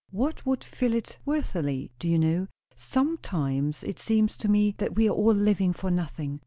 What would fill it worthily? Do you know? Sometimes it seems to me that we are all living for nothing."